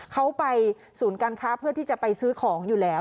เขาไปศูนย์การค้าเพื่อที่จะไปซื้อของอยู่แล้ว